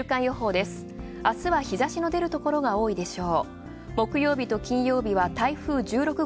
あすは日差しの出るところが多いでしょう。